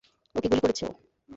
ওকে গুলি করেছো!